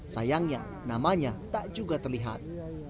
sayangnya namanya tak juga terlihat